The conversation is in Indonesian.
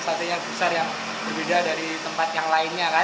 satenya besar yang berbeda dari tempat yang lainnya kan